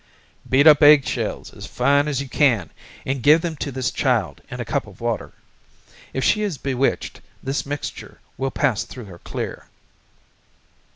"Beat up eggshells as fine as you can and give them to this child in a cup of water. If she is bewitched this mixture will pass through her clear."